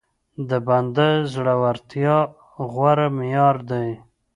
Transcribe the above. د بنده د زورورتيا غوره معيار دی.